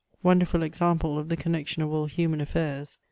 Wonderful example of the connexion of all human afiairs